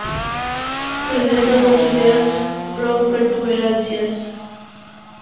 Presenta dos ligeras protuberancias hacia el exterior en el sector occidental del borde.